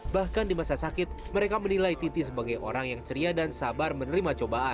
bahkan di masa sakit mereka menilai titi sebagai orang yang ceria dan sabar menerima cobaan